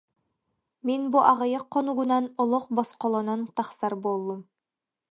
Мин бу аҕыйах хонугунан олох босхолонон тахсар буоллум